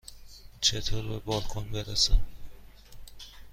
چطور به بالکن برسم؟